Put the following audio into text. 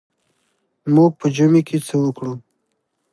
موږ په ژمي کې څه وکړو.